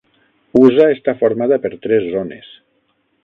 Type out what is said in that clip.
Usa està formada per tres zones.